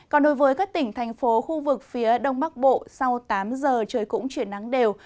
còn đối với các tỉnh thành phố khu vực phía đông bắc bộ sau tám giờ trời cũng chuyển nắng đều